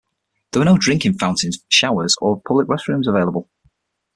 There are no drinking fountains, showers or public restrooms available.